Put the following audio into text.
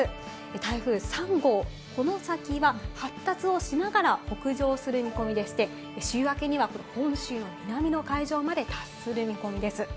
台風３号、この先は発達をしながら北上する見込みでして、週明けにはこれ本州の南の海上まで達する見込みです。